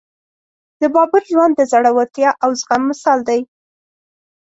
د بابر ژوند د زړورتیا او زغم مثال دی.